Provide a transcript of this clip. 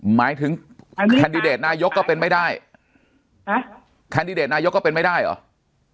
หมายถึงนายกก็เป็นไม่ได้ฮะนายกก็เป็นไม่ได้เหรอ